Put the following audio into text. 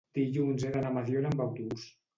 dilluns he d'anar a Mediona amb autobús.